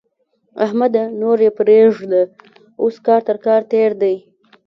احمده! نور يې پرېږده؛ اوس کار تر کار تېر دی.